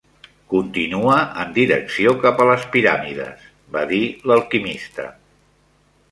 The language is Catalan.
"Continua en direcció cap a les piràmides", va dir l'alquimista.